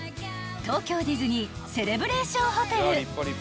［東京ディズニーセレブレーションホテル］